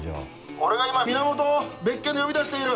俺が今源を別件で呼び出している。